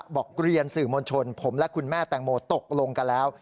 บอกเรียนสื่อมวลชนผมและคุณแม่แตงโมตกลงกันแล้ว